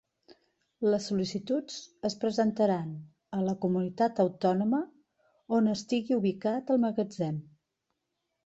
Les sol·licituds es presentaran a la comunitat autònoma on estigui ubicat el magatzem.